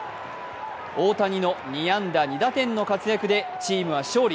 大谷の２安打２打点の活躍でチームは勝利。